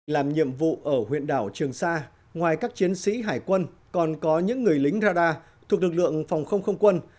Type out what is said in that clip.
làm nhiệm vụ ở huyện đảo trường sa ngoài các chiến sĩ hải quân còn có những người lính radar thuộc lực lượng phòng không không quân